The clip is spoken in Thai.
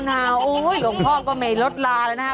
โอ้โฮหลวงพ่อก็ไม่ลดลาแล้วนะคะ